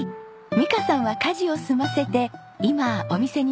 美香さんは家事を済ませて今お店に向かっています。